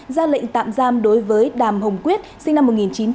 ra lệnh tạm giam đối với đàm hồng quyết sinh năm một nghìn chín trăm tám mươi